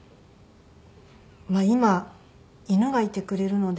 今犬がいてくれるので。